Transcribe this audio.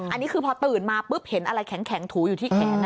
อันนี้คือพอตื่นมาปุ๊บเห็นอะไรแข็งถูอยู่ที่แขน